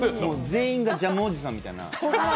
全員がジャムおじさんみたいな。